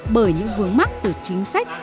bởi những vướng mắt từ chính sách